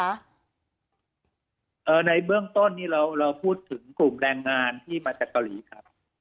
ในเบื้องต้นนี้เราพูดถึงกลุ่มแรงงานที่มาจากเกาหลีครับ